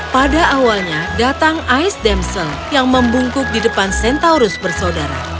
pada awalnya datang ais demcel yang membungkuk di depan centaurus bersaudara